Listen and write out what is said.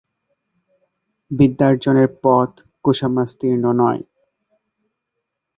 বিদ্যার্জনের পথ কুসামাস্তীর্ণ নয়।